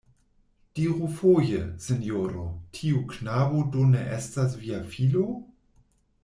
Diru foje, sinjoro, tiu knabo do ne estas via filo?